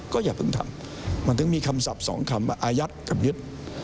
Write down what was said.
ก็อย่าเพิ่งทำมันถึงมีคำศัพท์สองคำว่าอายัดกับยึด